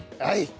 はい。